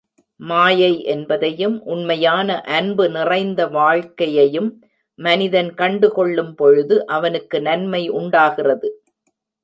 மாயை என்பதையும், உண்மையான அன்பு நிறைந்த வாழ்க்கையையும் மனிதன் கண்டு கொள்ளும் பொழுது, அவனுக்கு நன்மை உண்டாகிறது.